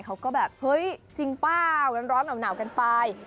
เขาก็แบบเฮ้ยจริงเปล่าร้อนหนาวกันไป